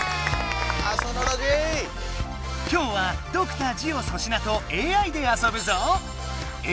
今日はドクタージオ粗品とＡＩで遊ぶぞ。